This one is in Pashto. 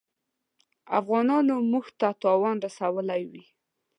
افغانانو موږ ته تاوان رسولی وي.